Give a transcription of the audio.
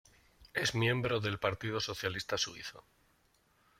Es miembro del Partido Socialista Suizo.